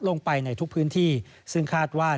ลงไปในทุกพื้นที่ซึ่งคาดว่า